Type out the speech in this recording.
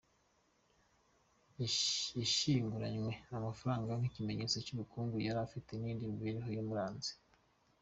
Yashyinguranywe amafaranga nk’ikimenyetso cy’ubukungu yari afite n’indi mibereho yamuranze.